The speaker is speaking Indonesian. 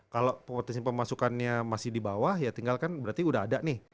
kalau potensi pemasukannya masih di bawah ya tinggalkan berarti udah ada nih